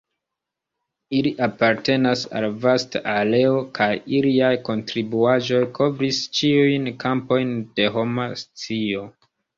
Ili apartenas al vasta areo kaj iliaj kontribuaĵoj kovris ĉiujn kampojn de homa scio.